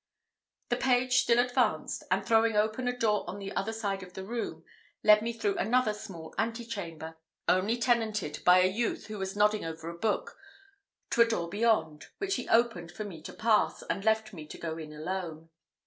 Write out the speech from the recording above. The page still advanced; and, throwing open a door on the other side of the room, led me through another small antechamber, only tenanted by a youth who was nodding over a book, to a door beyond, which he opened for me to pass, and left me to go in alone.